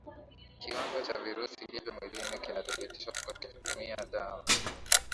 kiwango cha virusi hivyo mwilini kinadhibitiwa kwa kutumia dawa